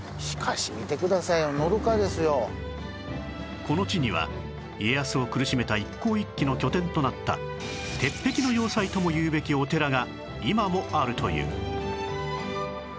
しかしこの地には家康を苦しめた一向一揆の拠点となった鉄壁の要塞ともいうべきお寺が今もあるという